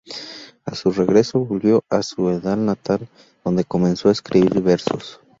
A su regreso, volvió a su Elda natal, donde comenzó a escribir versos.